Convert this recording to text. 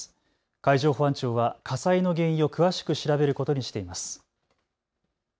海上保安庁は火災の原因を詳しく調べることにしています。